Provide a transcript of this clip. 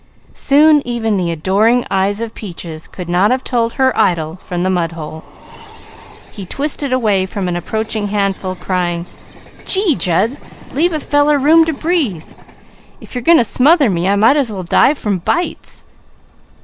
Soon even the adoring eyes of Peaches could not have told her idol from the mudhole. He twisted away from an approaching handful crying: "Gee Jud! Leave a feller room to breathe! If you are going to smother me, I might as well die from bites!"